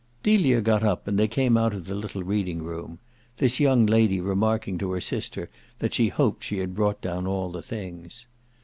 Delia got up, and they came out of the little reading room this young lady remarking to her sister that she hoped she had brought down all the things.